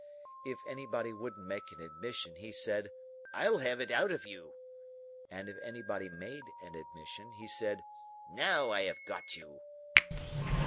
If anybody wouldn't make an admission, he said, "I'll have it out of you!" and if anybody made an admission, he said, "Now I have got you!"